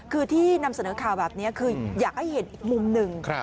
คือที่นำเสนอข่าวแบบนี้คืออยากให้เห็นอีกมุมหนึ่ง